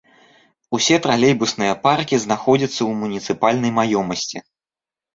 Усе тралейбусныя паркі знаходзяцца ў муніцыпальнай маёмасці.